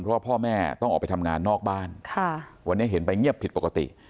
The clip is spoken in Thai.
เพราะว่าพ่อแม่ต้องออกไปทำงานนอกบ้านวันนี้เห็นไปเงียบผิดปกติ